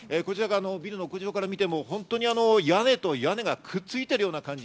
ビルの屋上から見ても屋根と屋根がくっついているような感じ。